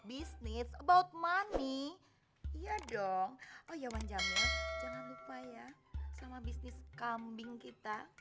bisnis about money iya dong oh ya manjam ya jangan lupa ya sama bisnis kambing kita